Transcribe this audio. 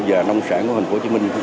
và nông sản của thành phố hồ chí minh